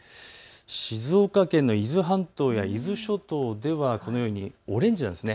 静岡県の伊豆半島や伊豆諸島ではこのようにオレンジなんです。